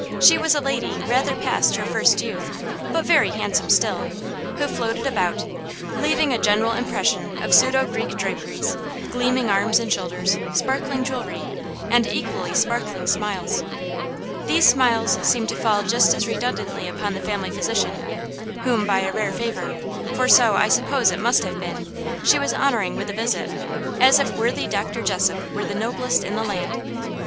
She was a lady rather past her first youth, but very handsome still, who floated about, leaving a general impression of pseudo Greek draperies, gleaming arms and shoulders, sparkling jewellery, and equally sparkling smiles. These smiles seemed to fall just as redundantly upon the family physician, whom by a rare favour for so, I suppose, it must have been she was honouring with a visit, as if worthy Dr. Jessop were the noblest in the land.